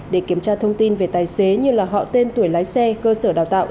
để kiểm tra thông tin về tài xế như là họ tên tuổi lái xe cơ sở đào tạo